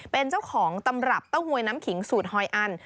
เป็นเจ้าของตำรับเต้าหวยน้ำขิงสูตรหอยอัน